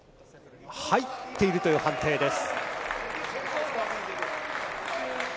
入っているという判定です。